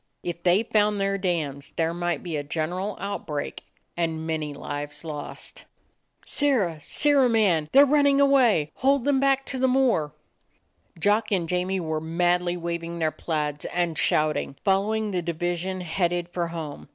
If they found their dams, there might be a gen eral outbreak and many lives lost. "Sirrah! Sirrah man! They're running away. Hold them back to the moor !" Jock and Jamie were madly waving their plaids and shouting, following the division headed for home.